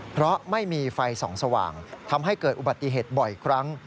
เพราะไม่มีไฟส่องสว่างทำให้เกิดอุบัติเหตุบ่อยครั้ง